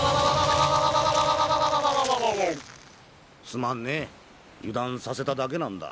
すまんね油断させただけなんだ。